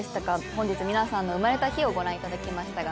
本日皆さんの生まれた日をご覧いただきましたが。